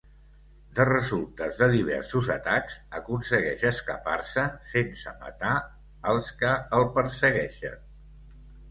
De resultes de diversos atacs, aconsegueix escapar-se sense matar els que el persegueixen.